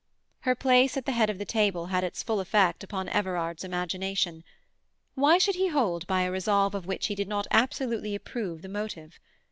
Her place at the head of the table had its full effect upon Everard's imagination. Why should he hold by a resolve of which he did not absolutely approve the motive?